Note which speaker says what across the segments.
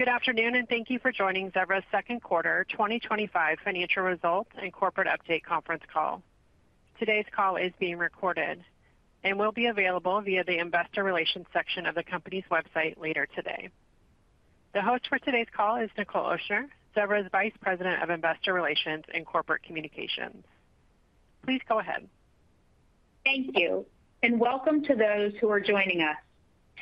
Speaker 1: Good afternoon, and thank you for joining Zevra's Second Quarter 2025 Financial Results and Corporate Update Conference Call. Today's call is being recorded and will be available via the Investor Relations section of the company's website later today. The host for today's call is Nichol Ochsner, Zevra's Vice President of Investor Relations and Corporate Communications. Please go ahead.
Speaker 2: Thank you, and welcome to those who are joining us.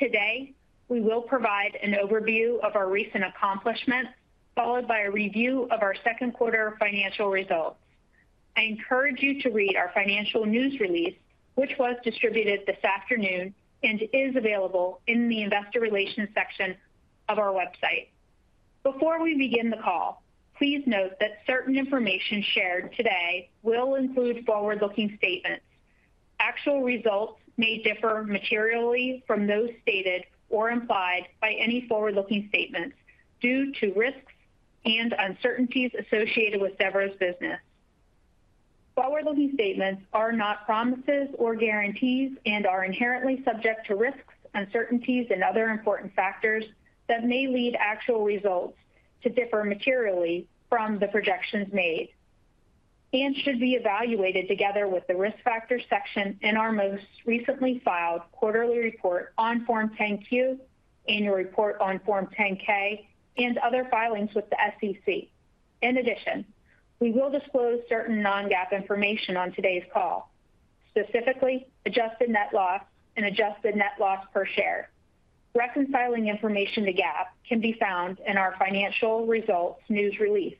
Speaker 2: Today, we will provide an overview of our recent accomplishments, followed by a review of our second quarter financial results. I encourage you to read our financial news release, which was distributed this afternoon and is available in the Investor Relations section of our website. Before we begin the call, please note that certain information shared today will include forward-looking statements. Actual results may differ materially from those stated or implied by any forward-looking statements due to risks and uncertainties associated with Zevra's business. Forward-looking statements are not promises or guarantees and are inherently subject to risks, uncertainties, and other important factors that may lead actual results to differ materially from the projections made, and should be evaluated together with the Risk Factors section in our most recently filed quarterly report on Form 10-Q, annual report on Form 10-K, and other filings with the SEC. In addition, we will disclose certain non-GAAP information on today's call, specifically adjusted net loss and adjusted net loss per share. Reconciling information to GAAP can be found in our financial results news release.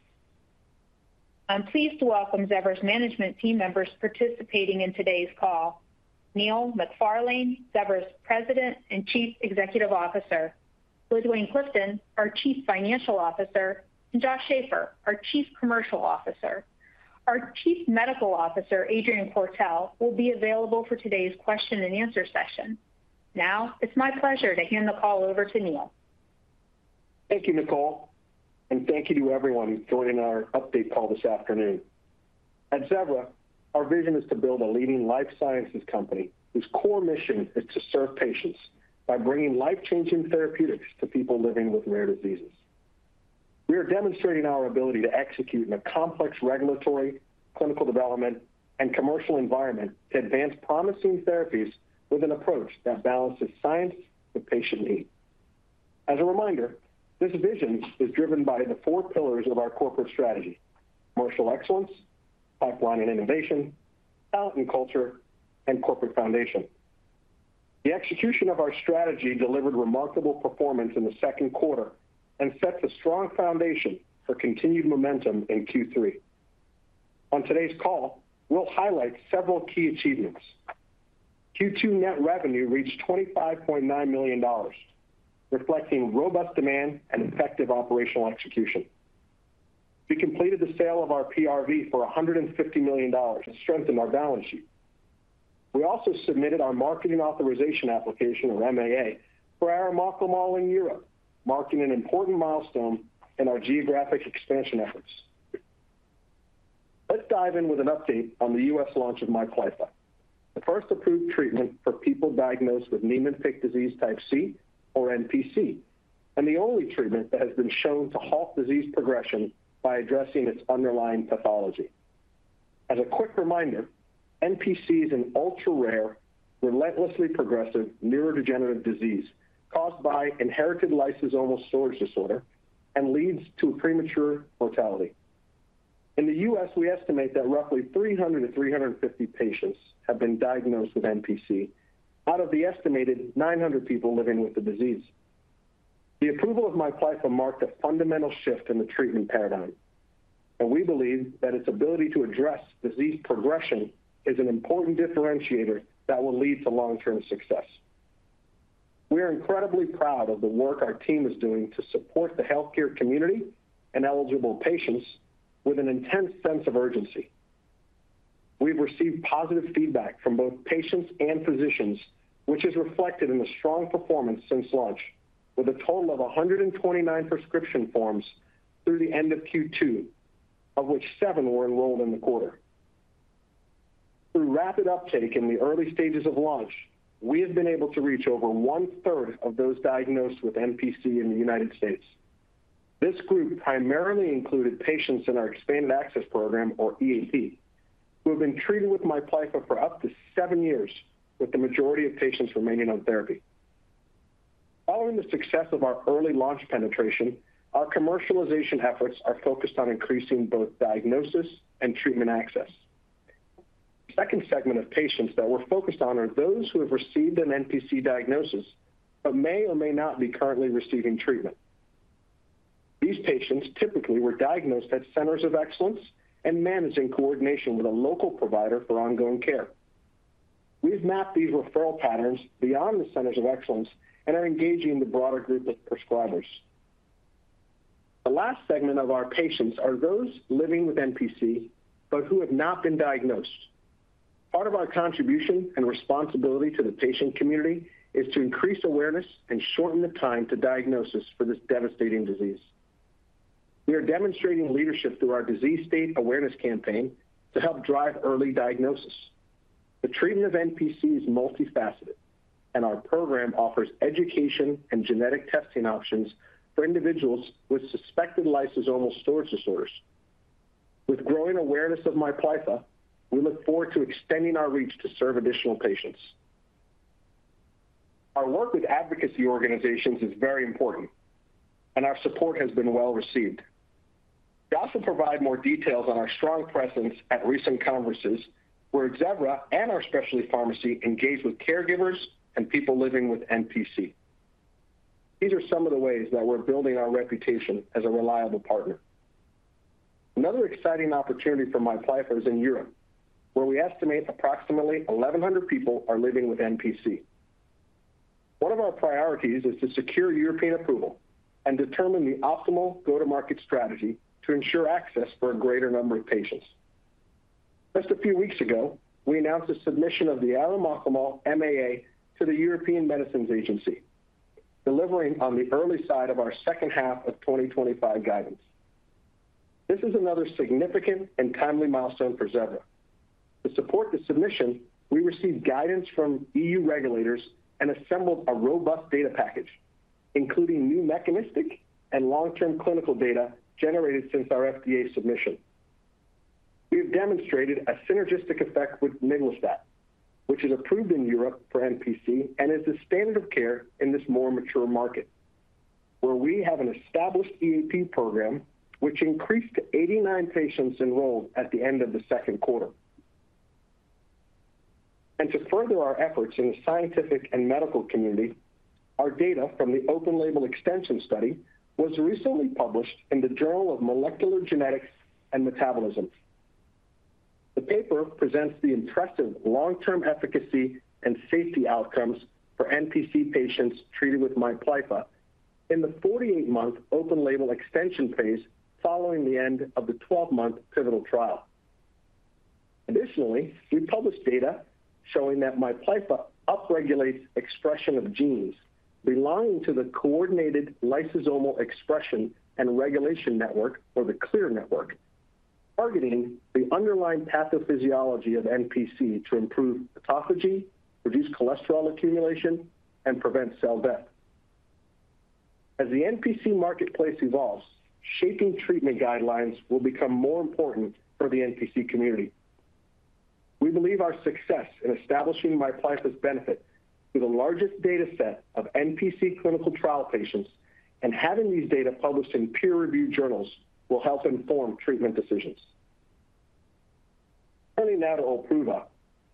Speaker 2: I'm pleased to welcome Zevra's management team members participating in today's call: Neil McFarlane, Zevra's President and Chief Executive Officer, LaDuane Clifton, our Chief Financial Officer, and Josh Schafer, our Chief Commercial Officer. Our Chief Medical Officer, Adrian Quartel, will be available for today's question-and-answer session. Now, it's my pleasure to hand the call over to Neil.
Speaker 3: Thank you, Nichol, and thank you to everyone joining our update call this afternoon. At Zevra, our vision is to build a leading life sciences company whose core mission is to serve patients by bringing life-changing therapeutics to people living with rare diseases. We are demonstrating our ability to execute in a complex regulatory, clinical development, and commercial environment to advance promising therapies with an approach that balances science with patient need. As a reminder, this vision is driven by the four pillars of our corporate strategy: commercial excellence, pipeline and innovation, talent and culture, and corporate foundation. The execution of our strategy delivered remarkable performance in the second quarter and set the strong foundation for continued momentum in Q3. On today's call, we'll highlight several key achievements. Q2 net revenue reached $25.9 million, reflecting robust demand and effective operational execution. We completed the sale of our PRV for $150 million to strengthen our balance sheet. We also submitted our Marketing Authorization Application, or MAA, for our arimoclomol in Europe, marking an important milestone in our geographic expansion efforts. Let's dive in with an update on the U.S. launch of MIPLYFFA, the first approved treatment for people diagnosed with Niemann-Pick disease type C, or NPC, and the only treatment that has been shown to halt disease progression by addressing its underlying pathology. As a quick reminder, NPC is an ultra-rare, relentlessly progressive neurodegenerative disease caused by inherited lysosomal storage disorder and leads to premature mortality. In the U.S., we estimate that roughly 300-350 patients have been diagnosed with NPC out of the estimated 900 people living with the disease. The approval of MIPLYFFA marked a fundamental shift in the treatment paradigm, and we believe that its ability to address disease progression is an important differentiator that will lead to long-term success. We are incredibly proud of the work our team is doing to support the healthcare community and eligible patients with an intense sense of urgency. We've received positive feedback from both patients and physicians, which is reflected in a strong performance since launch, with a total of 129 prescription forms through the end of Q2, of which seven were enrolled in the quarter. Through rapid uptake in the early stages of launch, we have been able to reach over 1/3 of those diagnosed with NPC in the United States. This group primarily included patients in our Expanded Access Program, or EAP, who have been treated with MIPLYFFA for up to seven years, with the majority of patients remaining on therapy. Following the success of our early launch penetration, our commercialization efforts are focused on increasing both diagnosis and treatment access. The second segment of patients that we're focused on are those who have received an NPC diagnosis but may or may not be currently receiving treatment. These patients typically were diagnosed at centers of excellence and managed in coordination with a local provider for ongoing care. We've mapped these referral patterns beyond the centers of excellence and are engaging the broader group of prescribers. The last segment of our patients are those living with NPC but who have not been diagnosed. Part of our contribution and responsibility to the patient community is to increase awareness and shorten the time to diagnosis for this devastating disease. We are demonstrating leadership through our Disease State Awareness Campaign to help drive early diagnosis. The treatment of NPC is multifaceted, and our program offers education and genetic testing options for individuals with suspected lysosomal storage disorders. With growing awareness of MIPLYFFA, we look forward to extending our reach to serve additional patients. Our work with advocacy organizations is very important, and our support has been well-received. Josh will provide more details on our strong presence at recent conferences where Zevra and our specialty pharmacy engage with caregivers and people living with NPC. These are some of the ways that we're building our reputation as a reliable partner. Another exciting opportunity for MIPLYFFA is in Europe, where we estimate approximately 1,100 people are living with NPC. One of our priorities is to secure European approval and determine the optimal go-to-market strategy to ensure access for a greater number of patients. Just a few weeks ago, we announced the submission of the arimoclomol MAA to the European Medicines Agency, delivering on the early side of our second half of 2025 guidance. This is another significant and timely milestone for Zevra. To support the submission, we received guidance from EU regulators and assembled a robust data package, including new mechanistic and long-term clinical data generated since our FDA submission. We have demonstrated a synergistic effect with miglustat, which is approved in Europe for NPC and is the standard of care in this more mature market, where we have an established EAP, which increased to 89 patients enrolled at the end of the second quarter. To further our efforts in the scientific and medical community, our data from the open label extension study was recently published in the Journal of Molecular Genetics and Metabolism. The paper presents the impressive long-term efficacy and safety outcomes for NPC patients treated with MIPLYFFA in the 48-month open label extension phase following the end of the 12-month pivotal trial. Additionally, we published data showing that MIPLYFFA upregulates expression of genes belonging to the coordinated lysosomal expression and regulation network, or the CLEAR network, targeting the underlying pathophysiology of NPC to improve pathology, reduce cholesterol accumulation, and prevent cell death. As the NPC marketplace evolves, shaping treatment guidelines will become more important for the NPC community. We believe our success in establishing MIPLYFFA's benefit to the largest data set of NPC clinical trial patients and having these data published in peer-reviewed journals will help inform treatment decisions. Turning now to OLPRUVA,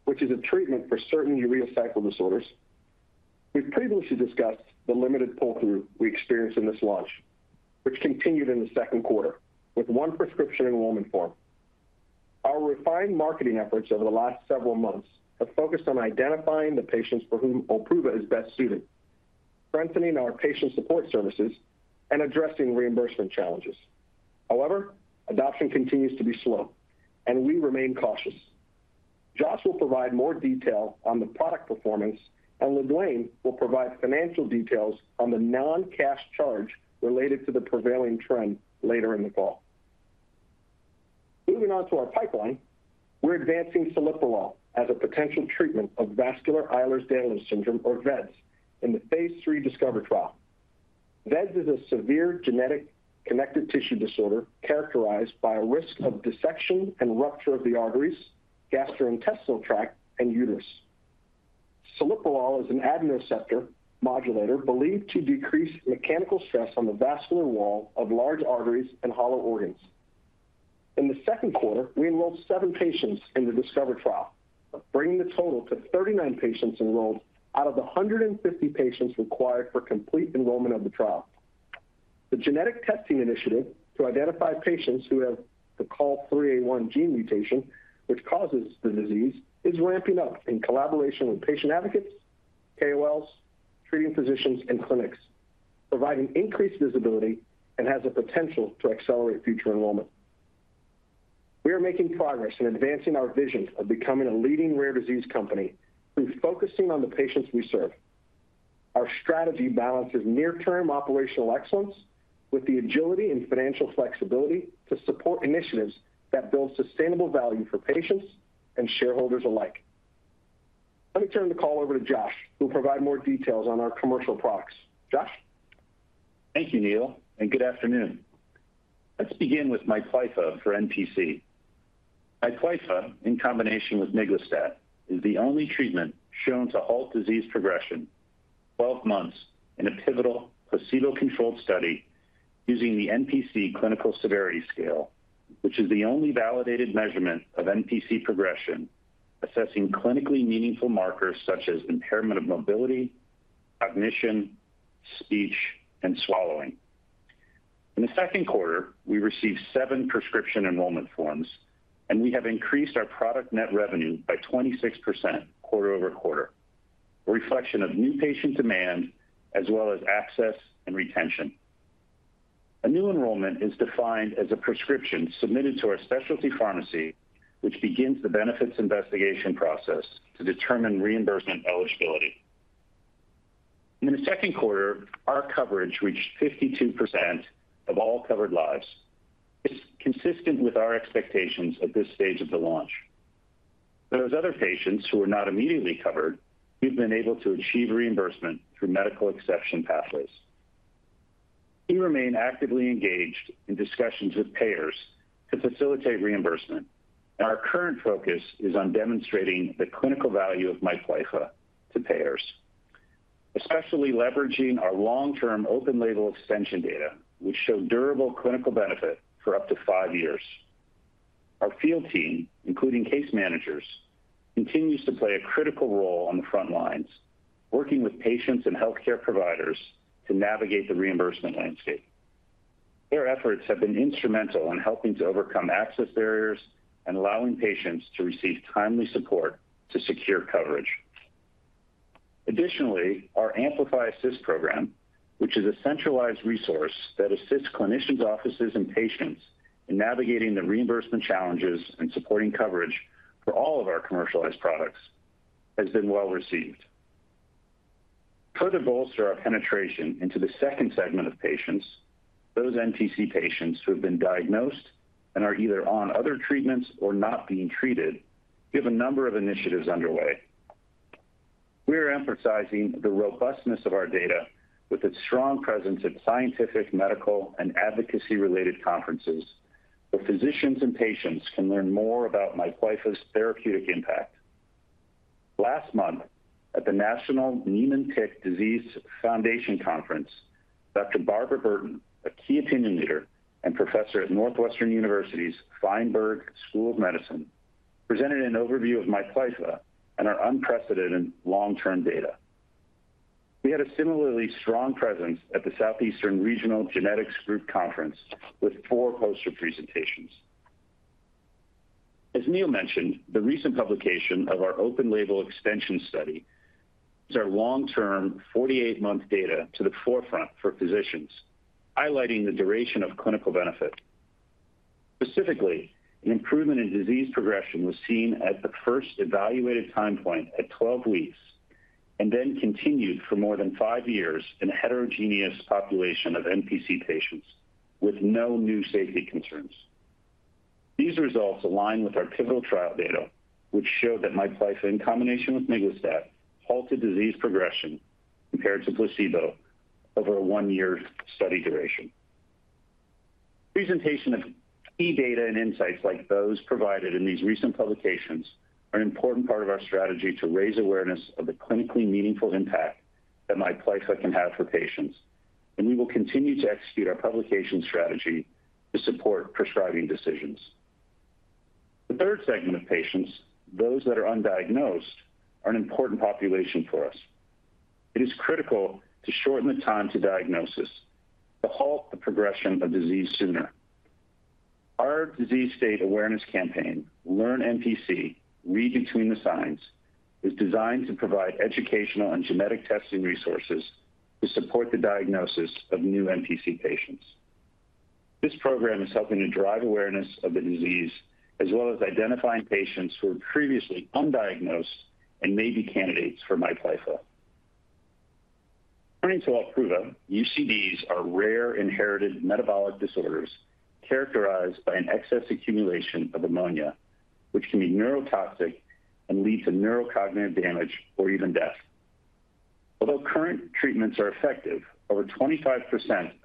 Speaker 3: which is a treatment for certain urea cycle disorders, we previously discussed the limited pull-through we experienced in this launch, which continued in the second quarter with one prescription enrollment form. Our refined marketing efforts over the last several months have focused on identifying the patients for whom OLPRUVA is best suited, strengthening our patient support services, and addressing reimbursement challenges. However, adoption continues to be slow, and we remain cautious. Josh will provide more detail on the product performance, and LaDuane will provide financial details on the non-cash charge related to the prevailing trend later in the call. Moving on to our pipeline, we are advancing celiprolol as a potential treatment of vascular Ehlers-Danlos syndrome, or vEDS, in the phase III DiSCOVER trial. [VEDS] is a severe genetic connective tissue disorder characterized by a risk of dissection and rupture of the arteries, gastrointestinal tract, and uterus. Celiprolol is an angiotensin receptor modulator believed to decrease mechanical stress on the vascular wall of large arteries and hollow organs. In the second quarter, we enrolled seven patients in the DiSCOVER trial, bringing the total to 39 patients enrolled out of the 150 patients required for complete enrollment of the trial. The genetic testing initiative to identify patients who have the COL3A1 gene mutation, which causes the disease, is ramping up in collaboration with patient advocates, KOLs, treating physicians, and clinics, providing increased visibility and has the potential to accelerate future enrollment. We are making progress in advancing our vision of becoming a leading rare disease company through focusing on the patients we serve. Our strategy balances near-term operational excellence with the agility and financial flexibility to support initiatives that build sustainable value for patients and shareholders alike. Let me turn the call over to Josh, who will provide more details on our commercial products. Josh?
Speaker 4: Thank you, Neil, and good afternoon. Let's begin with MIPLYFFA for NPC. MIPLYFFA, in combination with miglustat, is the only treatment shown to halt disease progression, 12 months, in a pivotal placebo-controlled study using the NPC Clinical Severity Scale, which is the only validated measurement of NPC progression, assessing clinically meaningful markers such as impairment of mobility, cognition, speech, and swallowing. In the second quarter, we received seven prescription enrollment forms, and we have increased our product net revenue by 26% quarter-over-quarter, a reflection of new patient demand as well as access and retention. A new enrollment is defined as a prescription submitted to our specialty pharmacy, which begins the benefits investigation process to determine reimbursement eligibility. In the second quarter, our coverage reached 52% of all covered lives. This is consistent with our expectations at this stage of the launch. For those other patients who were not immediately covered, we've been able to achieve reimbursement through medical exception pathways. We remain actively engaged in discussions with payers to facilitate reimbursement, and our current focus is on demonstrating the clinical value of MIPLYFFA to payers, especially leveraging our long-term open label extension data, which showed durable clinical benefit for up to five years. Our field team, including case managers, continues to play a critical role on the front lines, working with patients and healthcare providers to navigate the reimbursement landscape. Their efforts have been instrumental in helping to overcome access barriers and allowing patients to receive timely support to secure coverage. Additionally, our AmplifyAssist program, which is a centralized resource that assists clinicians, offices, and patients in navigating the reimbursement challenges and supporting coverage for all of our commercialized products, has been well-received. To further bolster our penetration into the second segment of patients, those NPC patients who have been diagnosed and are either on other treatments or not being treated, we have a number of initiatives underway. We are emphasizing the robustness of our data with its strong presence at scientific, medical, and advocacy-related conferences where physicians and patients can learn more about MIPLYFFA's therapeutic impact. Last month, at the National Niemann-Pick Disease Foundation Conference, Dr. Barbara Burton, a key opinion leader and Professor at Northwestern University's Feinberg School of Medicine, presented an overview of MIPLYFFA and our unprecedented long-term data. We had a similarly strong presence at the Southeastern Regional Genetics Group Conference with four poster presentations. As Neil mentioned, the recent publication of our open label extension study puts our long-term 48-month data to the forefront for physicians, highlighting the duration of clinical benefit. Specifically, the improvement in disease progression was seen at the first evaluated time point at 12 weeks and then continued for more than five years in a heterogeneous population of NPC patients with no new safety concerns. These results align with our pivotal trial data, which showed that MIPLYFFA, in combination with miglustat, halted disease progression compared to placebo over a one-year study duration. The presentation of key data and insights like those provided in these recent publications are an important part of our strategy to raise awareness of the clinically meaningful impact that MIPLYFFA can have for patients, and we will continue to execute our publication strategy to support prescribing decisions. The third segment of patients, those that are undiagnosed, are an important population for us. It is critical to shorten the time to diagnosis to halt the progression of disease sooner. Our Disease State Awareness Campaign, Learn NPC: Read Between the Signs, is designed to provide educational and genetic testing resources to support the diagnosis of new NPC patients. This program is helping to drive awareness of the disease, as well as identifying patients who were previously undiagnosed and may be candidates for MIPLYFFA. Turning to OLPRUVA, UCDs are rare inherited metabolic disorders characterized by an excess accumulation of ammonia, which can be neurotoxic and lead to neurocognitive damage or even death. Although current treatments are effective, over 25%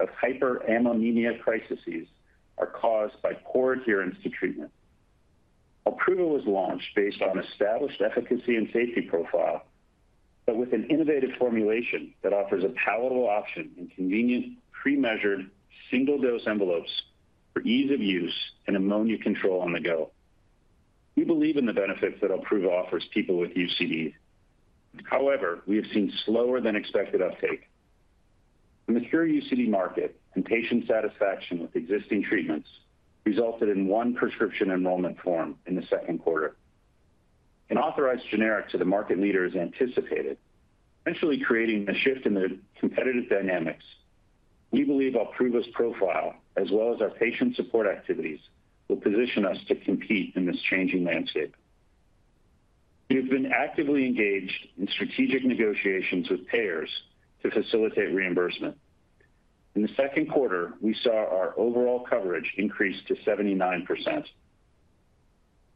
Speaker 4: of hyperammonemia crises are caused by poor adherence to treatment. OLPRUVA was launched based on an established efficacy and safety profile, but with an innovative formulation that offers a palatable option in convenient premeasured single-dose envelopes for ease of use and ammonia control on the go. We believe in the benefits that OLPRUVA offers people with UCDs. However, we have seen slower than expected uptake. The mature UCD market and patient satisfaction with existing treatments resulted in one prescription enrollment form in the second quarter. An authorized generic to the market leaders is anticipated, eventually creating a shift in their competitive dynamics. We believe OLPRUVA's profile, as well as our patient support activities, will position us to compete in this changing landscape. We have been actively engaged in strategic negotiations with payers to facilitate reimbursement. In the second quarter, we saw our overall coverage increase to 79%.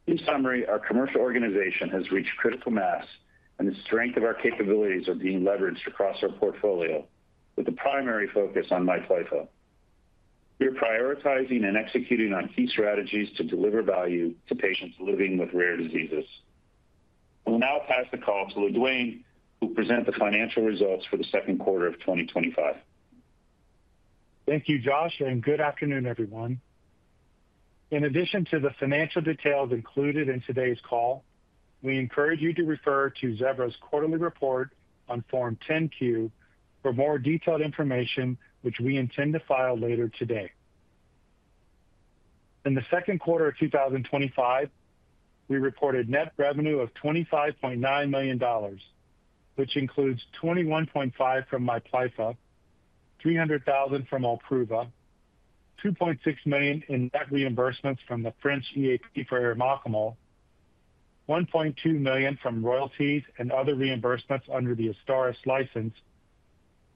Speaker 4: In summary, our commercial organization has reached critical mass, and the strength of our capabilities is being leveraged across our portfolio, with the primary focus on MIPLYFFA. We are prioritizing and executing on key strategies to deliver value to patients living with rare diseases. I will now pass the call to LaDuane, who will present the financial results for the second quarter of 2025.
Speaker 5: Thank you, Josh, and good afternoon, everyone. In addition to the financial details included in today's call, we encourage you to refer to Zevra's quarterly report on Form 10-Q for more detailed information, which we intend to file later today. In the second quarter of 2025, we reported net revenue of $25.9 million, which includes $21.5 million from MIPLYFFA, $300,000 from OLPRUVA, $2.6 million in net reimbursements from the French EAP for arimoclomol, $1.2 million from royalties and other reimbursements under the AZSTARYS license,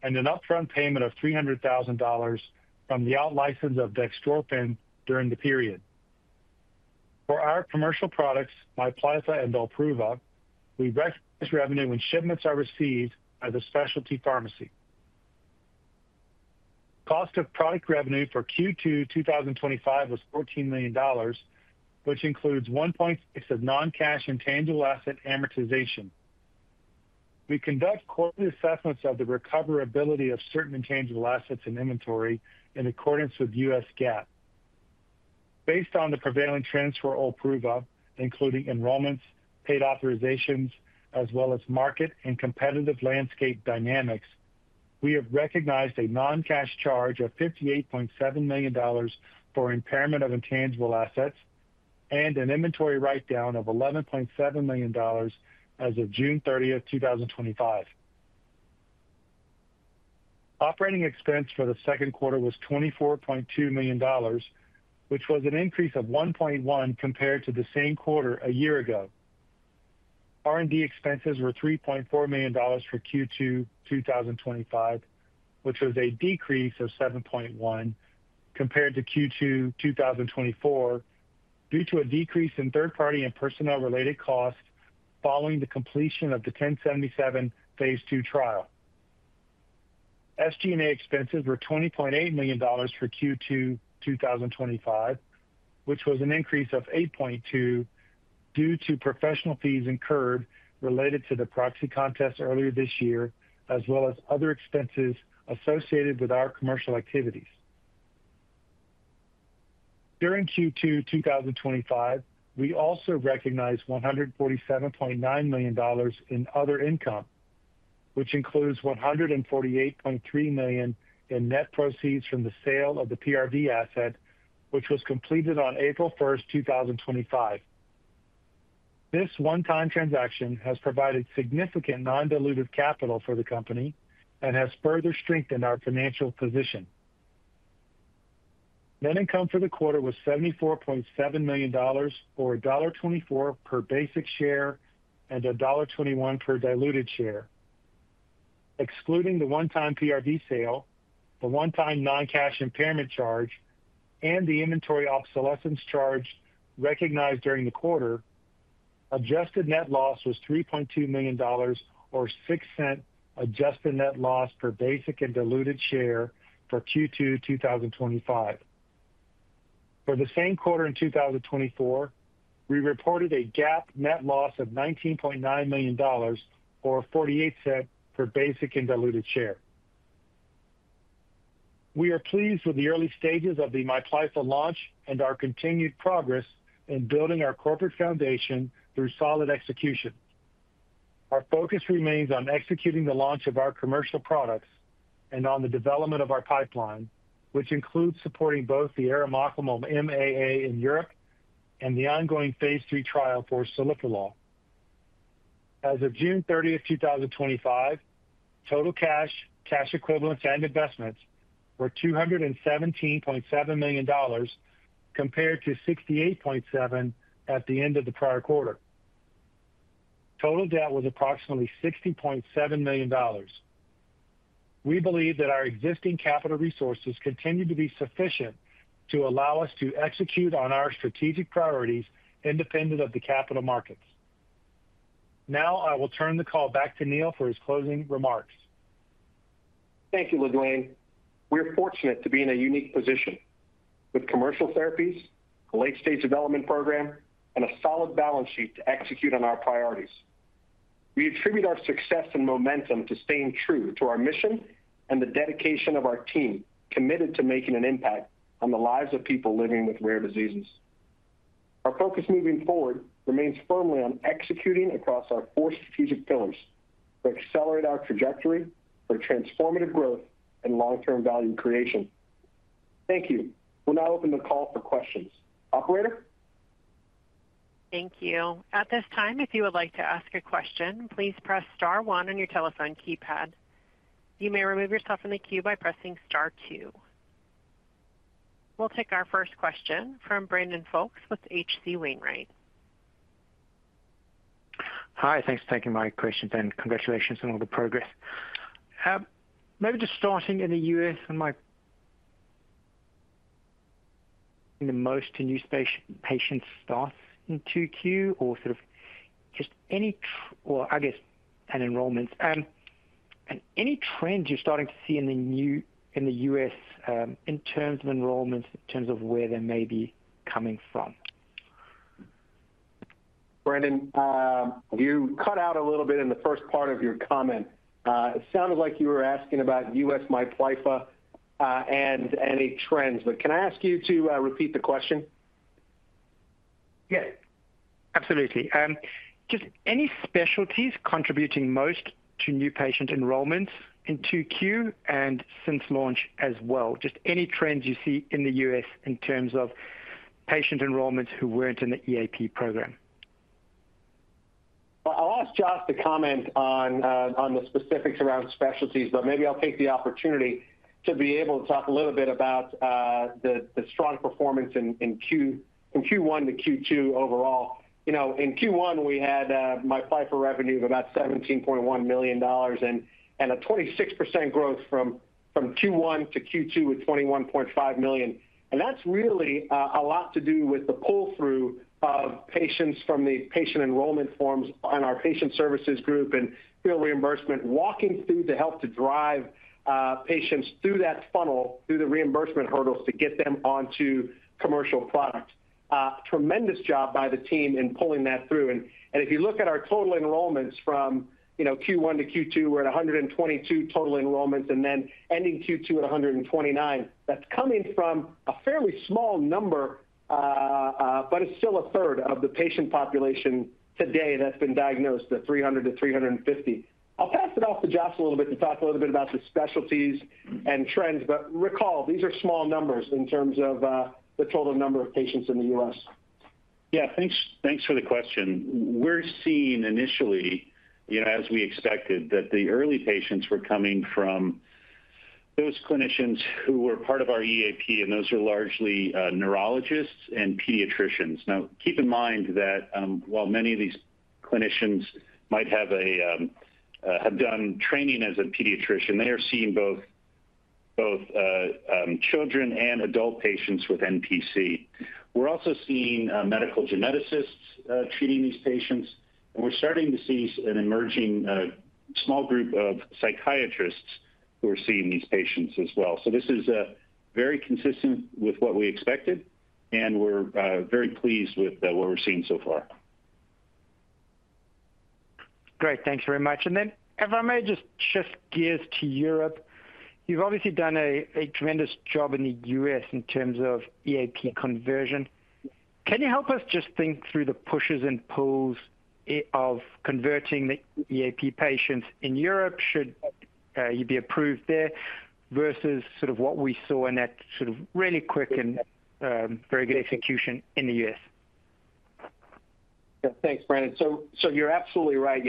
Speaker 5: and an upfront payment of $300,000 from the out-license of dextrorphan during the period. For our commercial products, MIPLYFFA and OLPRUVA, we recognize revenue when shipments are received by the specialty pharmacy. Cost of product revenue for Q2 2025 was $14 million, which includes $1.6 million of non-cash intangible asset amortization. We conduct quarterly assessments of the recoverability of certain intangible assets in inventory in accordance with U.S. GAAP. Based on the prevailing trends for OLPRUVA, including enrollments, paid authorizations, as well as market and competitive landscape dynamics, we have recognized a non-cash impairment charge of $58.7 million for impairment of intangible assets and an inventory write-down of $11.7 million as of June 30, 2025. Operating expense for the second quarter was $24.2 million, which was an increase of $1.1 million compared to the same quarter a year ago. R&D expenses were $3.4 million for Q2 2025, which was a decrease of $7.1 million compared to Q2 2024 due to a decrease in third-party and personnel-related costs following the completion of the 1077 phase II trial. SG&A expenses were $20.8 million for Q2 2025, which was an increase of $8.2 million due to professional fees incurred related to the proxy contest earlier this year, as well as other expenses associated with our commercial activities. During Q2 2025, we also recognized $147.9 million in other income, which includes $148.3 million in net proceeds from the sale of the PRV asset, which was completed on April 1, 2025. This one-time transaction has provided significant non-dilutive capital for the company and has further strengthened our financial position. Net income for the quarter was $74.7 million or $1.24 per basic share and $1.21 per diluted share. Excluding the one-time PRV sale, the one-time non-cash impairment charge, and the inventory obsolescence charge recognized during the quarter, adjusted net loss was $3.2 million or $0.06 adjusted net loss per basic and diluted share for Q2 2025. For the same quarter in 2024, we reported a GAAP net loss of $19.9 million or $0.48 per basic and diluted share. We are pleased with the early stages of the MIPLYFFA launch and our continued progress in building our corporate foundation through solid execution. Our focus remains on executing the launch of our commercial products and on the development of our pipeline, which includes supporting both the arimoclomol MAA in Europe and the ongoing phase III trial for celiprolol. As of June 30, 2025, total cash, cash equivalents, and investments were $217.7 million compared to $68.7 million at the end of the prior quarter. Total debt was approximately $60.7 million. We believe that our existing capital resources continue to be sufficient to allow us to execute on our strategic priorities independent of the capital markets. Now, I will turn the call back to Neil for his closing remarks.
Speaker 3: Thank you, LaDuane. We are fortunate to be in a unique position with commercial therapies, a late-stage development program, and a solid balance sheet to execute on our priorities. We attribute our success and momentum to staying true to our mission and the dedication of our team committed to making an impact on the lives of people living with rare diseases. Our focus moving forward remains firmly on executing across our four strategic pillars to accelerate our trajectory for transformative growth and long-term value creation. Thank you. We'll now open the call for questions. Operator?
Speaker 1: Thank you. At this time, if you would like to ask a question, please press star one on your telephone keypad. You may remove yourself from the queue by pressing star two. We'll take our first question from Brandon Folkes with H.C. Wainwright.
Speaker 6: Hi, thanks for taking my question. Congratulations on all the progress. Maybe just starting in the U.S., in the most new patients start in Q2, or just any enrollments, and any trends you're starting to see in the U.S. in terms of enrollments, in terms of where they may be coming from?
Speaker 3: Brandon, you cut out a little bit in the first part of your comment. It sounded like you were asking about U.S. MIPLYFFA and any trends, but can I ask you to repeat the question?
Speaker 6: Yeah, absolutely. Just any specialties contributing most to new patient enrollments in Q2 and since launch as well? Just any trends you see in the U.S. in terms of patient enrollments who weren't in the EAP program?
Speaker 3: I will ask Josh to comment on the specifics around specialties, but maybe I'll take the opportunity to be able to talk a little bit about the strong performance in Q1 to Q2 overall. You know, in Q1, we had MIPLYFFA revenue of about $17.1 million and a 26% growth from Q1 to Q2 at $21.5 million. That's really a lot to do with the pull-through of patients from the patient enrollment forms on our patient services group and reimbursement, walking through to help to drive patients through that funnel, through the reimbursement hurdles to get them onto commercial products. Tremendous job by the team in pulling that through. If you look at our total enrollments from Q1 to Q2, we're at 122 total enrollments, and then ending Q2 at 129. That's coming from a fairly small number, but it's still 1/3 of the patient population today that's been diagnosed, the 300-350. I'll pass it off to Josh a little bit to talk a little bit about the specialties and trends, but recall, these are small numbers in terms of the total number of patients in the U.S.
Speaker 4: Yeah, thanks for the question. We're seeing initially, you know, as we expected, that the early patients were coming from those clinicians who were part of our EAP, and those are largely neurologists and pediatricians. Now, keep in mind that while many of these clinicians might have done training as a pediatrician, they are seeing both children and adult patients with NPC. We're also seeing medical geneticists treating these patients, and we're starting to see an emerging small group of psychiatrists who are seeing these patients as well. This is very consistent with what we expected, and we're very pleased with what we're seeing so far.
Speaker 6: Great, thanks very much. If I may just shift gears to Europe, you've obviously done a tremendous job in the U.S. in terms of EAP conversion. Can you help us just think through the pushes and pulls of converting the EAP patients in Europe? Should you be approved there versus what we saw in that really quick and very good execution in the U.S.?
Speaker 3: Yeah, thanks, Brandon. You're absolutely right.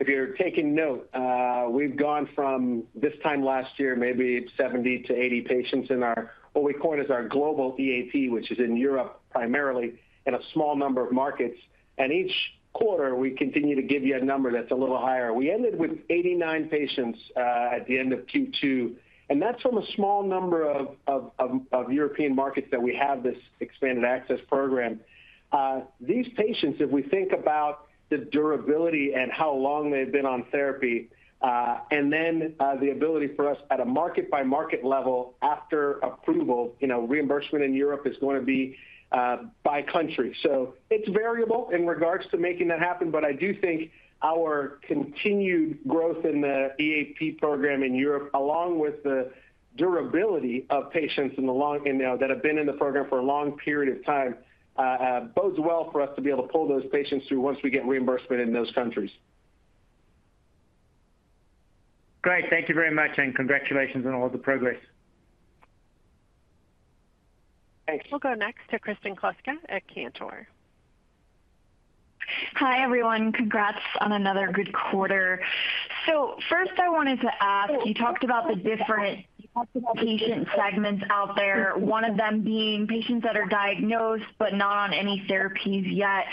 Speaker 3: If you're taking note, we've gone from this time last year, maybe 70 to 80 patients in our, what we coin as our global EAP, which is in Europe primarily and a small number of markets. Each quarter, we continue to give you a number that's a little higher. We ended with 89 patients at the end of Q2, and that's from a small number of European markets that we have this Expanded Access Program. These patients, if we think about the durability and how long they've been on therapy, and then the ability for us at a market-by-market level after approval, reimbursement in Europe is going to be by country. It's variable in regards to making that happen, but I do think our continued growth in the EAP program in Europe, along with the durability of patients that have been in the program for a long period of time, bodes well for us to be able to pull those patients through once we get reimbursement in those countries.
Speaker 6: Great, thank you very much, and congratulations on all the progress.
Speaker 3: Thanks.
Speaker 1: We'll go next to Kristen Kluska at Cantor.
Speaker 7: Hi, everyone. Congrats on another good quarter. First, I wanted to ask, you talked about the different, you talked about patient segments out there, one of them being patients that are diagnosed but not on any therapies yet.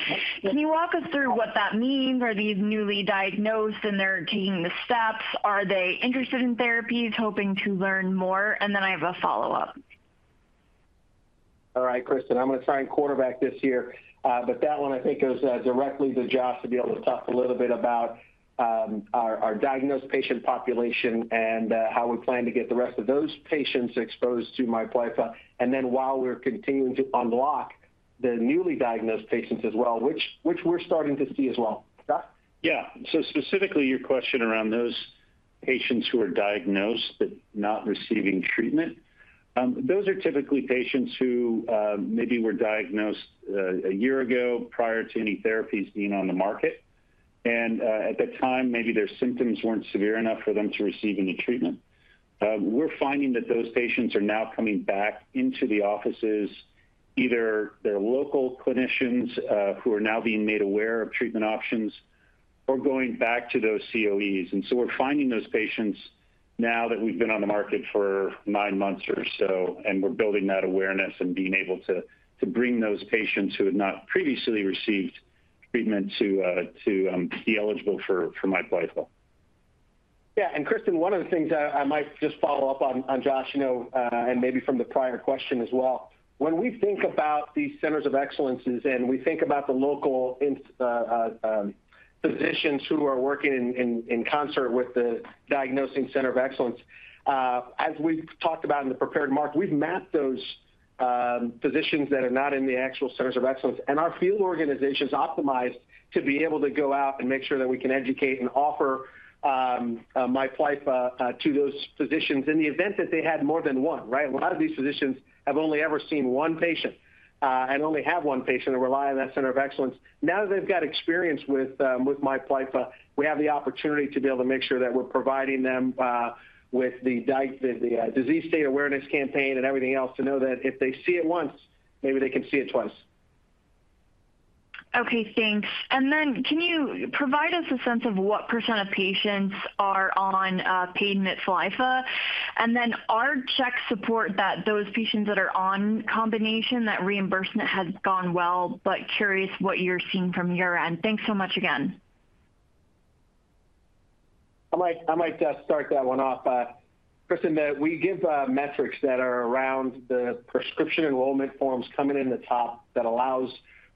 Speaker 7: Can you walk us through what that means? Are these newly diagnosed and they're taking the steps? Are they interested in therapies, hoping to learn more? I have a follow-up.
Speaker 3: All right, Kristen, I'm going to try and quarterback this year, but that one I think goes directly to Josh to be able to talk a little bit about our diagnosed patient population and how we plan to get the rest of those patients exposed to MIPLYFFA, and then while we're continuing to unlock the newly diagnosed patients as well, which we're starting to see as well, Josh?
Speaker 4: Yeah, specifically your question around those patients who are diagnosed but not receiving treatment, those are typically patients who maybe were diagnosed a year ago prior to any therapies being on the market, and at the time, maybe their symptoms weren't severe enough for them to receive any treatment. We're finding that those patients are now coming back into the offices, either their local clinicians who are now being made aware of treatment options or going back to those COEs. We're finding those patients now that we've been on the market for nine months or so, and we're building that awareness and being able to bring those patients who had not previously received treatment to be eligible for MIPLYFFA.
Speaker 3: Yeah, and Kristen, one of the things I might just follow up on Josh, you know, and maybe from the prior question as well, when we think about these centers of excellence and we think about the local physicians who are working in concert with the diagnosing center of excellence, as we've talked about in the prepared mark, we've mapped those physicians that are not in the actual centers of excellence, and our field organization's optimized to be able to go out and make sure that we can educate and offer MIPLYFFA to those physicians in the event that they had more than one, right? A lot of these physicians have only ever seen one patient and only have one patient and rely on that center of excellence. Now that they've got experience with MIPLYFFA, we have the opportunity to be able to make sure that we're providing them with the Disease State Awareness Campaign and everything else to know that if they see it once, maybe they can see it twice.
Speaker 7: Okay, thanks. Can you provide us a sense of what percent of patients are on paid MIPLYFFA? Our checks support that those patients that are on combination, that reimbursement has gone well, but curious what you're seeing from your end. Thanks so much again.
Speaker 3: I might just start that one off. Kristen, we give metrics that are around the prescription enrollment forms coming in the top that allow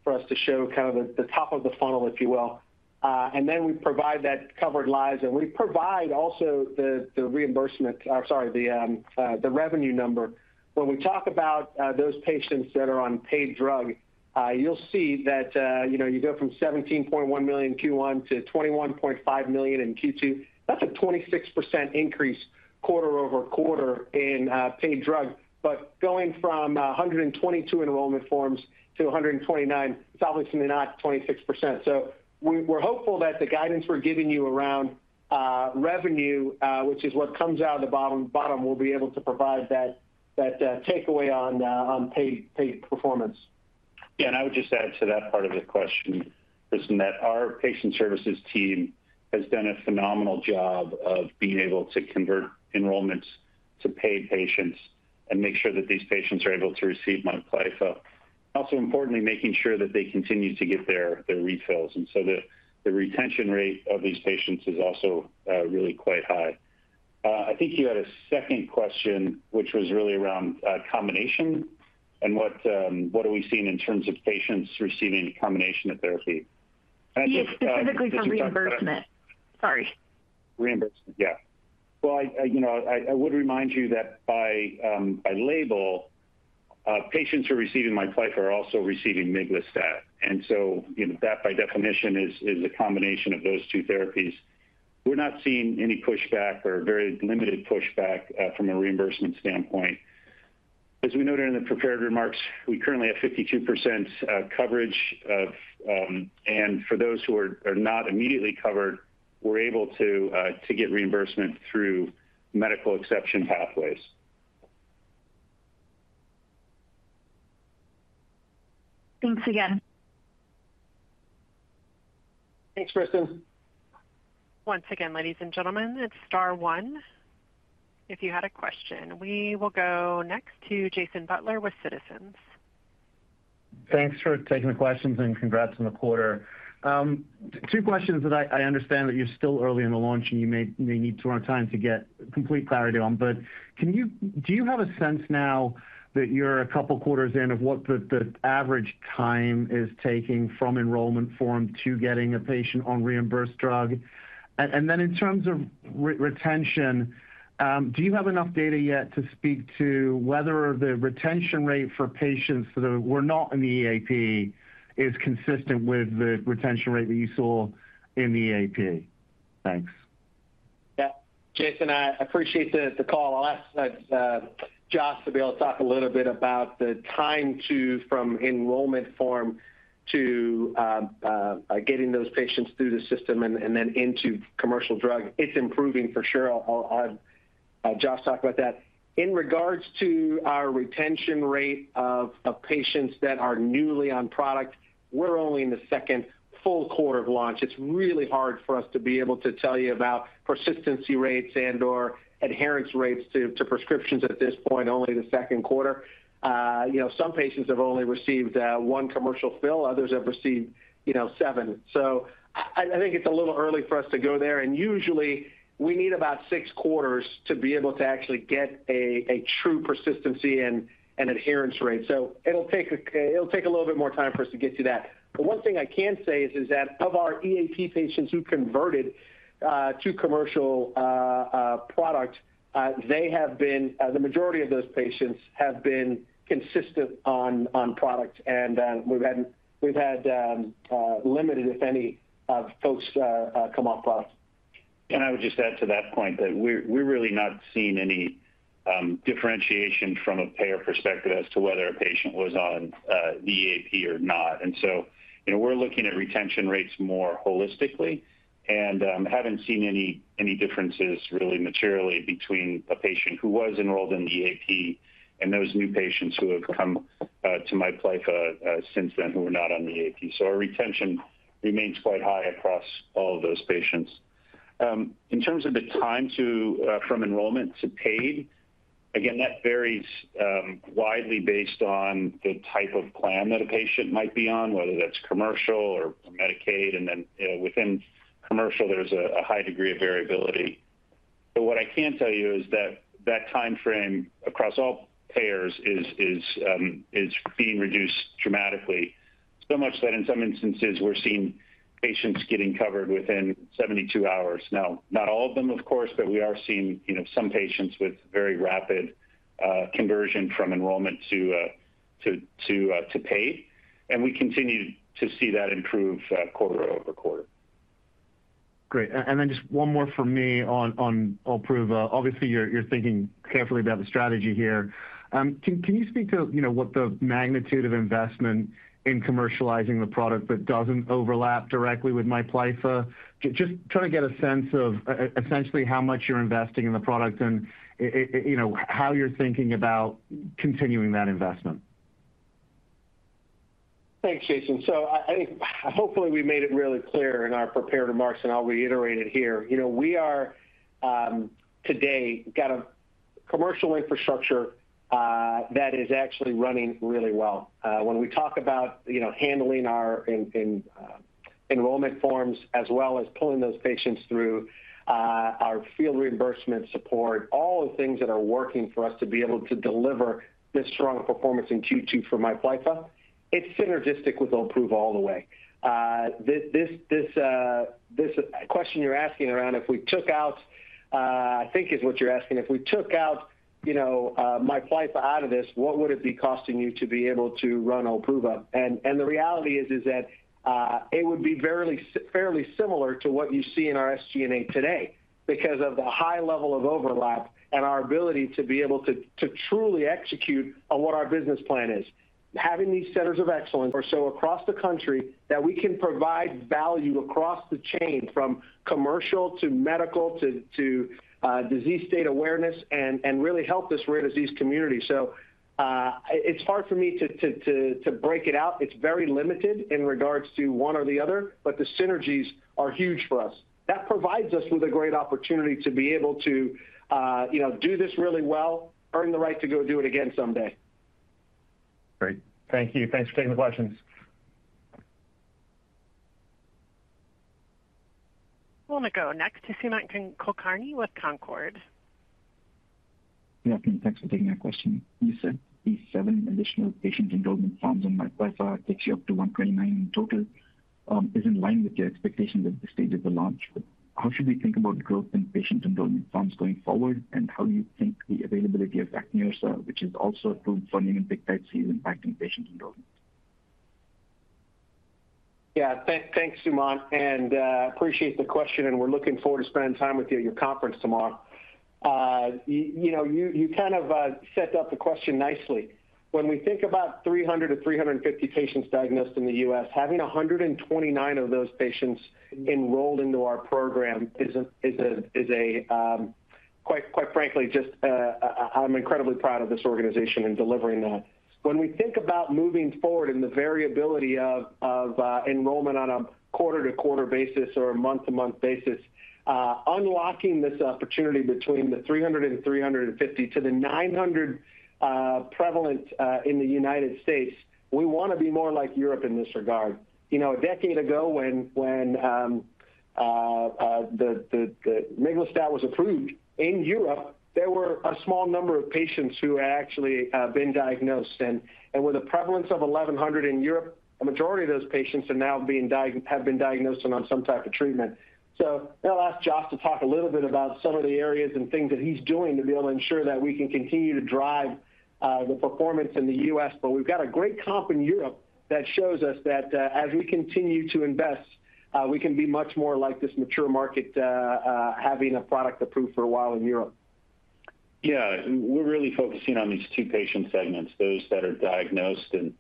Speaker 3: for us to show kind of the top of the funnel, if you will. We provide that covered lives, and we provide also the reimbursement, or sorry, the revenue number. When we talk about those patients that are on paid drug, you'll see that you go from $17.1 million in Q1 to $21.5 million in Q2. That's a 26% increase quarter-over-quarter in paid drug. Going from 122 enrollment forms to 129, it's obviously not 26%. We're hopeful that the guidance we're giving you around revenue, which is what comes out of the bottom, will be able to provide that takeaway on paid performance.
Speaker 4: Yeah, and I would just add to that part of the question, Kristen, that our patient services team has done a phenomenal job of being able to convert enrollments to paid patients and make sure that these patients are able to receive MIPLYFFA. Also, importantly, making sure that they continue to get their refills, and the retention rate of these patients is also really quite high. I think you had a second question, which was really around combination and what are we seeing in terms of patients receiving a combination of therapy.
Speaker 7: Specifically from reimbursement, sorry.
Speaker 4: Reimbursement, yeah. I would remind you that by label, patients who are receiving MIPLYFFA are also receiving miglustat. That by definition is a combination of those two therapies. We're not seeing any pushback or very limited pushback from a reimbursement standpoint. As we noted in the prepared remarks, we currently have 52% coverage, and for those who are not immediately covered, we're able to get reimbursement through medical exception pathways.
Speaker 7: Thanks again.
Speaker 3: Thanks, Kristen.
Speaker 1: Once again, ladies and gentlemen, it's star one if you had a question. We will go next to Jason Butler with Citizens.
Speaker 8: Thanks for taking the questions and congrats on the quarter. Two questions that I understand that you're still early in the launch and you may need to run time to get complete clarity on, but do you have a sense now that you're a couple quarters in of what the average time is taking from enrollment form to getting a patient on reimbursed drug? In terms of retention, do you have enough data yet to speak to whether the retention rate for patients that were not in the EAP is consistent with the retention rate that you saw in the EAP? Thanks.
Speaker 3: Yeah, Jason, I appreciate the call. I'll ask Josh to be able to talk a little bit about the time from enrollment form to getting those patients through the system and then into commercial drug. It's improving for sure. I'll have Josh talk about that. In regards to our retention rate of patients that are newly on product, we're only in the second full quarter of launch. It's really hard for us to be able to tell you about persistency rates and/or adherence rates to prescriptions at this point, only the second quarter. Some patients have only received one commercial fill, others have received seven. I think it's a little early for us to go there, and usually, we need about six quarters to be able to actually get a true persistency and adherence rate. It'll take a little bit more time for us to get to that. One thing I can say is that of our EAP patients who converted to commercial product, the majority of those patients have been consistent on product, and we've had limited, if any, folks come off product.
Speaker 4: I would just add to that point that we're really not seeing any differentiation from a payer perspective as to whether a patient was on the EAP or not. We're looking at retention rates more holistically and haven't seen any differences really materially between a patient who was enrolled in the EAP and those new patients who have come to MIPLYFFA since then who are not on the EAP. Our retention remains quite high across all of those patients. In terms of the time from enrollment to paid, that varies widely based on the type of plan that a patient might be on, whether that's commercial or Medicaid, and then within commercial, there's a high degree of variability. What I can tell you is that that timeframe across all payers is being reduced dramatically, so much that in some instances, we're seeing patients getting covered within 72 hours. Not all of them, of course, but we are seeing some patients with very rapid conversion from enrollment to paid, and we continue to see that improve quarter-over-quarter.
Speaker 8: Great, and then just one more for me on OLPRUVA. Obviously, you're thinking carefully about the strategy here. Can you speak to what the magnitude of investment in commercializing the product that doesn't overlap directly with MIPLYFFA? Just trying to get a sense of essentially how much you're investing in the product and how you're thinking about continuing that investment.
Speaker 3: Thanks, Jason. I think hopefully we made it really clear in our prepared remarks, and I'll reiterate it here. We have today got a commercial infrastructure that is actually running really well. When we talk about handling our enrollment forms as well as pulling those patients through our field reimbursement support, all the things that are working for us to be able to deliver this strong performance in Q2 for MIPLYFFA, it's synergistic with OLPRUVA all the way. This question you're asking around if we took out, I think is what you're asking, if we took out MIPLYFFA out of this, what would it be costing you to be able to run OLPRUVA? The reality is that it would be fairly similar to what you see in our SG&A today because of the high level of overlap and our ability to be able to truly execute on what our business plan is. Having these centers of excellence or so across the country that we can provide value across the chain from commercial to medical to disease state awareness and really help this rare disease community. It's hard for me to break it out. It's very limited in regards to one or the other, but the synergies are huge for us. That provides us with a great opportunity to be able to do this really well, earn the right to go do it again someday.
Speaker 8: Great, thank you. Thanks for taking the questions.
Speaker 1: We'll go next to Sumant Kulkarni with Canaccord.
Speaker 9: Yeah, thanks for taking that question. You said these seven additional patient enrollment forms on MIPLYFFA takes you up to 129 in total. Is it in line with your expectations at the stage of the launch? How should we think about growth in patient enrollment forms going forward, and how do you think the availability of AQNEURSA, which is also approved for Niemann-Pick type C, is impacting patient enrollment?
Speaker 3: Yeah, thanks, Suman, and I appreciate the question, and we're looking forward to spending time with you at your conference tomorrow. You know, you kind of set up the question nicely. When we think about 300-350 patients diagnosed in the U.S., having 129 of those patients enrolled into our program is, quite frankly, just I'm incredibly proud of this organization in delivering that. When we think about moving forward in the variability of enrollment on a quarter-to-quarter basis or a month-to-month basis, unlocking this opportunity between the 300 and 350 to the 900 prevalent in the United States, we want to be more like Europe in this regard. You know, a decade ago, when miglustat was approved in Europe, there were a small number of patients who had actually been diagnosed, and with a prevalence of 1,100 in Europe, a majority of those patients are now being diagnosed and on some type of treatment. I'll ask Josh to talk a little bit about some of the areas and things that he's doing to be able to ensure that we can continue to drive the performance in the U.S., but we've got a great comp in Europe that shows us that as we continue to invest, we can be much more like this mature market having a product approved for a while in Europe.
Speaker 4: Yeah, we're really focusing on these two patient segments, those that are diagnosed and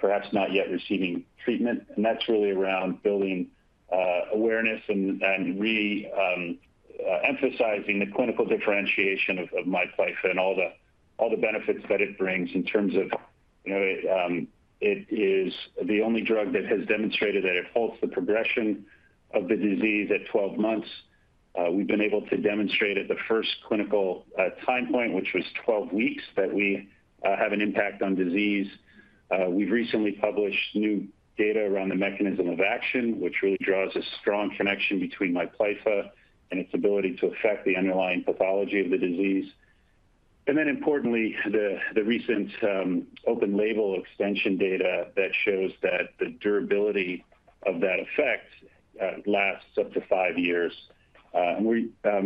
Speaker 4: perhaps not yet receiving treatment, and that's really around building awareness and reemphasizing the clinical differentiation of MIPLYFFA and all the benefits that it brings in terms of, you know, it is the only drug that has demonstrated that it halts the progression of the disease at 12 months. We've been able to demonstrate at the first clinical time point, which was 12 weeks, that we have an impact on disease. We've recently published new data around the mechanism of action, which really draws a strong connection between MIPLYFFA and its ability to affect the underlying pathology of the disease. Importantly, the recent open label extension data shows that the durability of that effect lasts up to five years. We're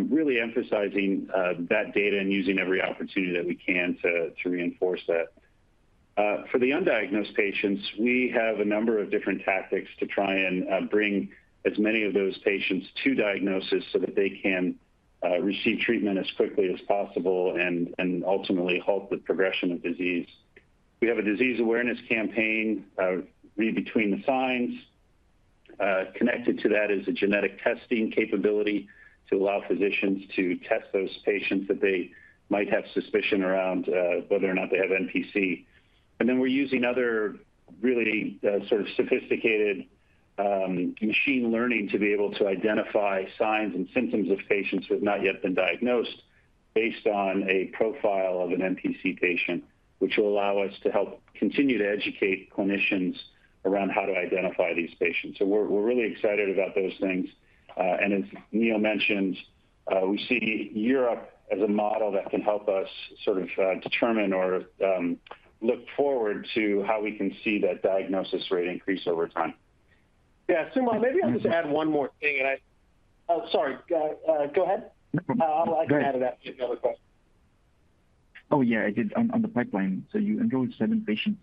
Speaker 4: really emphasizing that data and using every opportunity that we can to reinforce that. For the undiagnosed patients, we have a number of different tactics to try and bring as many of those patients to diagnosis so that they can receive treatment as quickly as possible and ultimately halt the progression of disease. We have a Disease Awareness Campaign, Read Between the Signs. Connected to that is a genetic testing capability to allow physicians to test those patients that they might have suspicion around whether or not they have NPC. We're using other really sort of sophisticated machine learning to be able to identify signs and symptoms of patients who have not yet been diagnosed based on a profile of an NPC patient, which will allow us to help continue to educate clinicians around how to identify these patients. We're really excited about those things. As Neil mentioned, we see Europe as a model that can help us sort of determine or look forward to how we can see that diagnosis rate increase over time.
Speaker 3: Yeah, Sumant, maybe I'll just add one more thing. I'll add to that with another question.
Speaker 9: Oh, yeah, I did on the pipeline. You enrolled seven patients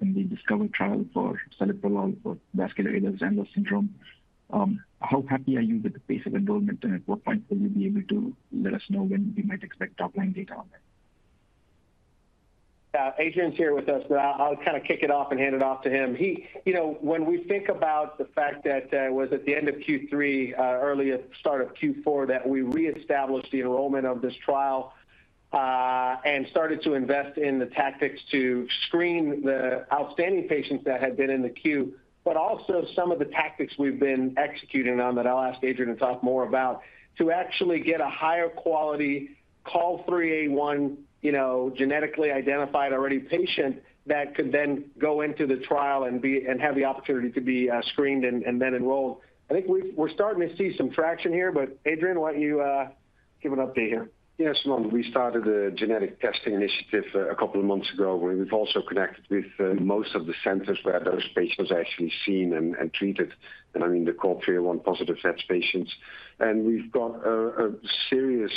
Speaker 9: in the DiSCOVER trial for celiprolol for vascular Ehlers-Danlos syndrome. How happy are you with the pace of enrollment, and at what point will you be able to let us know when we might expect top-line data on it?
Speaker 3: Adrian's here with us, but I'll kind of kick it off and hand it off to him. When we think about the fact that it was at the end of Q3, early start of Q4, that we reestablished the enrollment of this trial and started to invest in the tactics to screen the outstanding patients that had been in the queue, but also some of the tactics we've been executing on that I'll ask Adrian to talk more about to actually get a higher quality COL3A1, you know, genetically identified already patient that could then go into the trial and have the opportunity to be screened and then enrolled. I think we're starting to see some traction here, but Adrian, why don't you give an update here?
Speaker 10: Yeah, Sumant, we started a genetic testing initiative a couple of months ago. We've also connected with most of the centers where those patients are actually seen and treated, and I mean the COL3A1 positive test patients. We've got a serious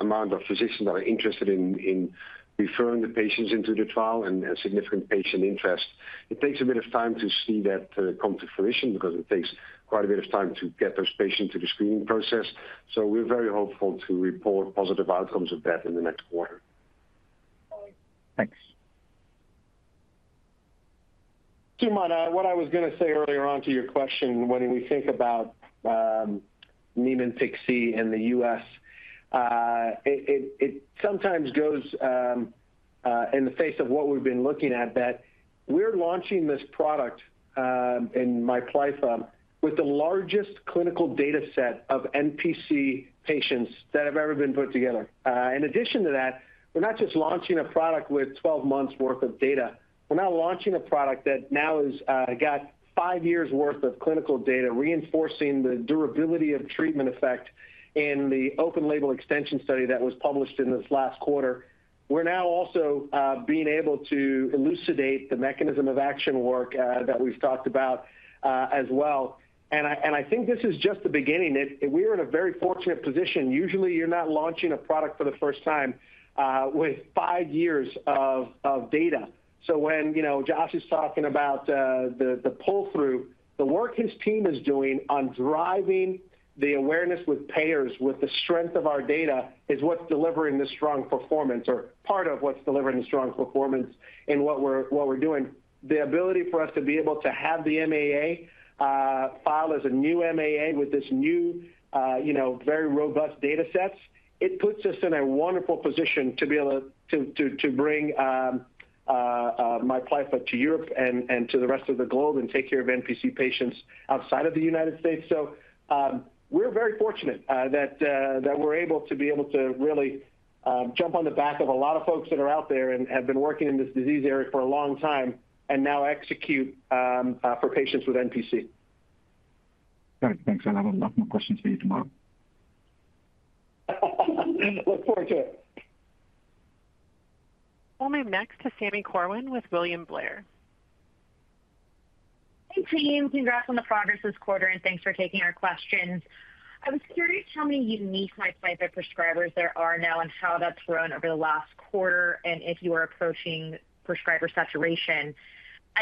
Speaker 10: amount of physicians that are interested in referring the patients into the trial and significant patient interest. It takes a bit of time to see that come to fruition because it takes quite a bit of time to get those patients to the screening process. We're very hopeful to report positive outcomes of that in the next quarter.
Speaker 3: Thanks. Sumant, what I was going to say earlier on to your question, when we think about Niemann-Pick C in the U.S., it sometimes goes in the face of what we've been looking at, that we're launching this product in MIPLYFFA with the largest clinical data set of NPC patients that have ever been put together. In addition to that, we're not just launching a product with 12 months' worth of data. We're now launching a product that now has got five years' worth of clinical data, reinforcing the durability of treatment effect in the open label extension study that was published in this last quarter. We're now also being able to elucidate the mechanism of action work that we've talked about as well. I think this is just the beginning. We are in a very fortunate position. Usually, you're not launching a product for the first time with five years of data. When, you know, Josh is talking about the pull-through, the work his team is doing on driving the awareness with payers with the strength of our data is what's delivering the strong performance or part of what's delivering the strong performance in what we're doing. The ability for us to be able to have the MAA file as a new MAA with this new, you know, very robust data sets, it puts us in a wonderful position to be able to bring MIPLYFFA to Europe and to the rest of the globe and take care of NPC patients outside of the United States. We are very fortunate that we're able to be able to really jump on the back of a lot of folks that are out there and have been working in this disease area for a long time and now execute for patients with NPC.
Speaker 9: All right, thanks. I have a lot more questions for you tomorrow.
Speaker 3: Thank you. We'll forward it.
Speaker 1: We'll move next to Sami Corwin with William Blair.
Speaker 11: Hey, team. Congrats on the progress this quarter, and thanks for taking our questions. I was curious how many unique MIPLYFFA prescribers there are now and how that's grown over the last quarter, and if you are approaching prescriber saturation.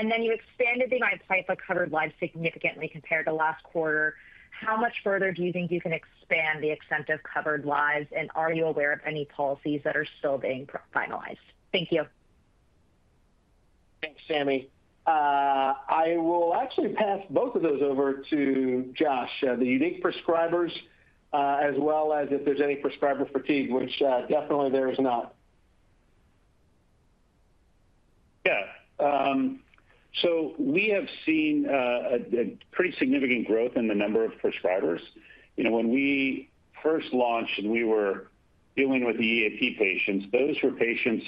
Speaker 11: You expanded the MIPLYFFA covered lives significantly compared to last quarter. How much further do you think you can expand the extent of covered lives, and are you aware of any policies that are still being finalized? Thank you.
Speaker 3: Thanks, Sami. I will actually pass both of those over to Josh, the unique prescribers, as well as if there's any prescriber fatigue, which definitely there is now.
Speaker 4: Yeah, so we have seen a pretty significant growth in the number of prescribers. When we first launched and we were dealing with the EAP patients, those were patients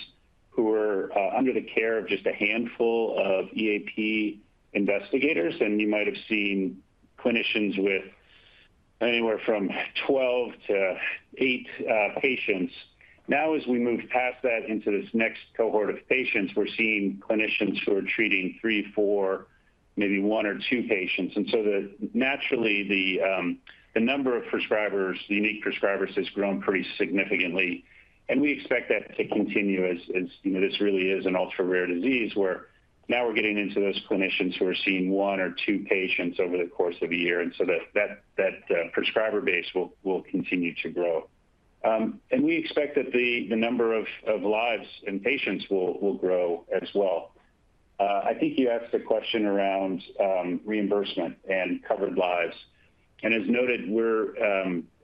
Speaker 4: who were under the care of just a handful of EAP investigators, and you might have seen clinicians with anywhere from 12 to eight patients. Now, as we move past that into this next cohort of patients, we're seeing clinicians who are treating three, four, maybe one or two patients. Naturally, the number of prescribers, the unique prescribers, has grown pretty significantly. We expect that to continue as this really is an ultra-rare disease where now we're getting into those clinicians who are seeing one or two patients over the course of a year, and that prescriber base will continue to grow. We expect that the number of lives and patients will grow as well. I think you asked a question around reimbursement and covered lives. As noted, we're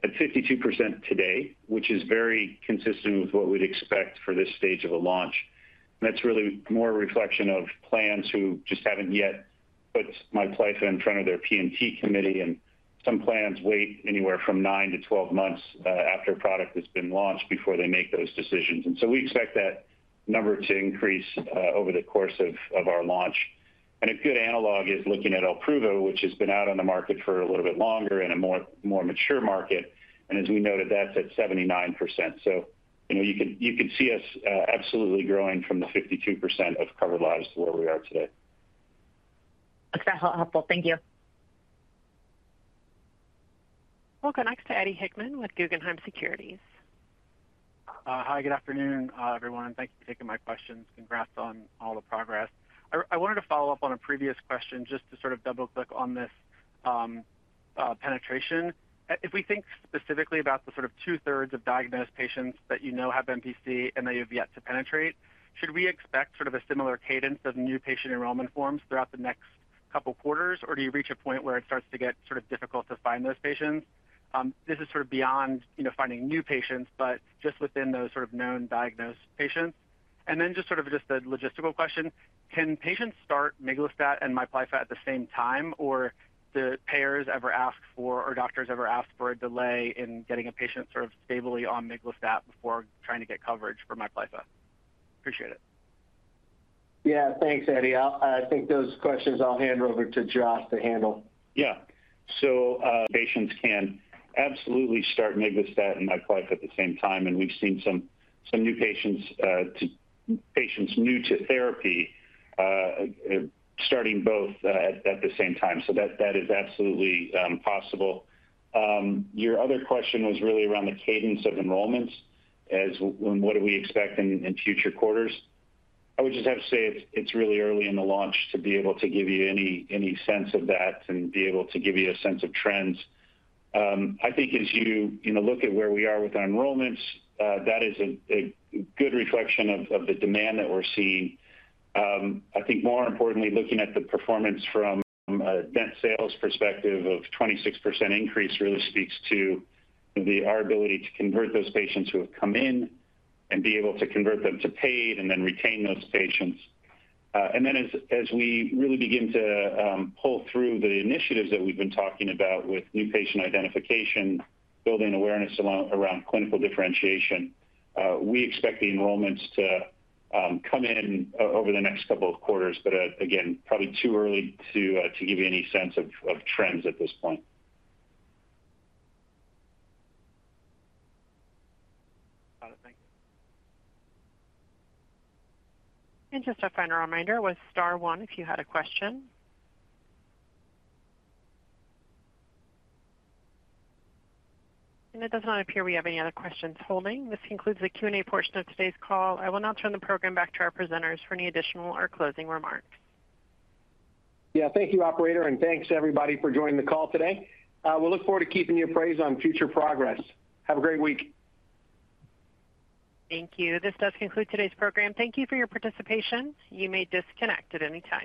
Speaker 4: at 52% today, which is very consistent with what we'd expect for this stage of a launch. That's really more a reflection of plans who just haven't yet put MIPLYFFA in front of their P&T committee, and some plans wait anywhere from nine to 12 months after a product has been launched before they make those decisions. We expect that number to increase over the course of our launch. A good analog is looking at OLPRUVA, which has been out on the market for a little bit longer in a more mature market. As we noted, that's at 79%. You could see us absolutely growing from the 52% of covered lives to where we are today.
Speaker 11: That's very helpful. Thank you.
Speaker 1: We'll go next to Eddie Hickman with Guggenheim Securities.
Speaker 12: Hi, good afternoon, everyone. Thank you for taking my questions. Congrats on all the progress. I wanted to follow up on a previous question just to sort of double-click on this penetration. If we think specifically about the sort of 2/3 of diagnosed patients that you know have NPC and that you have yet to penetrate, should we expect sort of a similar cadence of new patient enrollment forms throughout the next couple quarters, or do you reach a point where it starts to get sort of difficult to find those patients? This is sort of beyond, you know, finding new patients, but just within those sort of known diagnosed patients. Also, just the logistical question, can patients start miglustat and MIPLYFFA at the same time, or do payers ever ask for, or doctors ever ask for a delay in getting a patient sort of stably on miglustat before trying to get coverage for MIPLYFFA? Appreciate it.
Speaker 3: Yeah, thanks, Eddie. I think those questions I'll hand over to Josh to handle.
Speaker 4: Yeah, patients can absolutely start miglustat and MIPLYFFA at the same time, and we've seen some new patients new to therapy starting both at the same time. That is absolutely possible. Your other question was really around the cadence of enrollments and what we expect in future quarters. I would just have to say it's really early in the launch to be able to give you any sense of that and be able to give you a sense of trends. I think as you look at where we are with our enrollments, that is a good reflection of the demand that we're seeing. More importantly, looking at the performance from a net sales perspective of a 26% increase really speaks to our ability to convert those patients who have come in and be able to convert them to paid and then retain those patients. As we really begin to pull through the initiatives that we've been talking about with new patient identification, building awareness around clinical differentiation, we expect the enrollments to come in over the next couple of quarters, but again, probably too early to give you any sense of trends at this point.
Speaker 12: Got it. Thank you.
Speaker 1: Just a final reminder with star one if you had a question. It does not appear we have any other questions holding. This concludes the Q&A portion of today's call. I will now turn the program back to our presenters for any additional or closing remarks.
Speaker 3: Thank you, operator, and thanks everybody for joining the call today. We'll look forward to keeping you appraised on future progress. Have a great week.
Speaker 1: Thank you. This does conclude today's program. Thank you for your participation. You may disconnect at any time.